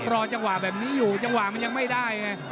รอจังหวะแบบนี้อยู่จังหวะมันยังไม่ได้ไง